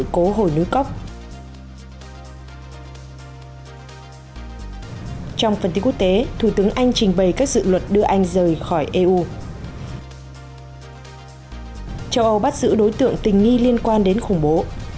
châu âu bắt giữ đối tượng tình nghi liên quan đến khủng bố